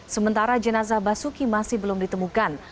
sementara jenazah basuki masih belum ditemukan